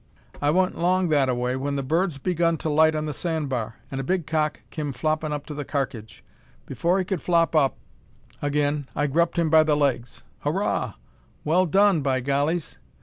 "I wa'n't long that a way when the birds begun to light on the sandbar, an' a big cock kim floppin' up to the karkidge. Afore he kud flop up agin, I grupped him by the legs." "Hooraw! well done, by gollies!"